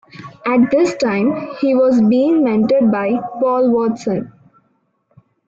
At this time he was being mentored by Paul Watson.